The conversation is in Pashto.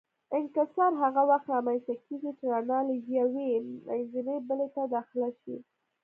انکسار هغه وخت رامنځته کېږي چې رڼا له یوې منځنۍ بلې ته داخله شي.